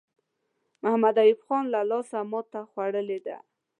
محمد ایوب خان له لاسه ماته خوړلې ده.